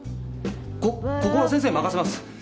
こここは先生に任せます。